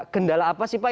kendala apa sih pak